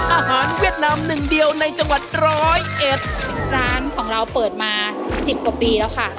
เวียดนามหนึ่งเดียวในจังหวัดร้อยเอ็ดร้านของเราเปิดมาสิบกว่าปีแล้วค่ะ